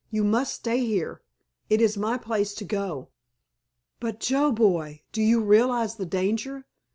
You must stay here. It is my place to go." "But, Joe boy, do you realize the danger?